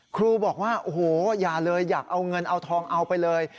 ครูบอกว่าโอ้โหอย่าเลยอยากเอาเงินเอาทองเอาไปเลย